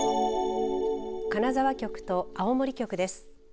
金沢局と青森局です。